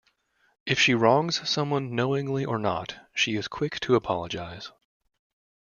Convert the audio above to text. If she wrongs someone, knowingly or not, she is quick to apologize.